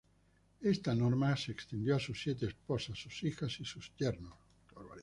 Esta norma se extendió a sus siete esposas, sus hijas y sus yernos.